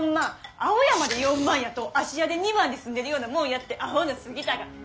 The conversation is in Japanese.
青山で４万やと芦屋で２万で住んでるようなもんやってアホの杉田が。